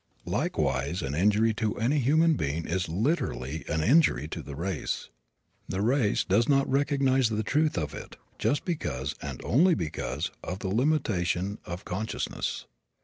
Likewise an injury to any human being is literally an injury to the race. The race does not recognize the truth of it just because, and only because, of the limitation of consciousness.